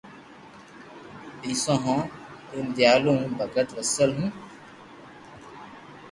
نيدون ھو دينديالو ھون ڀگت وسل ھون